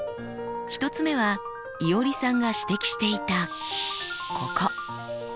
１つ目はいおりさんが指摘していたここ。